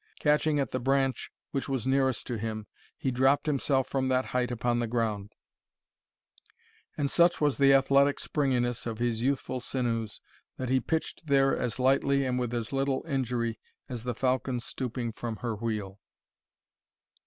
Catching at the branch which was nearest to him, he dropped himself from that height upon the ground; and such was the athletic springiness of his youthful sinews, that he pitched there as lightly, and with as little injury, as the falcon stooping from her wheel.